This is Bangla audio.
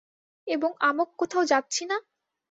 এবং আমক কোথাও যাচ্ছি না!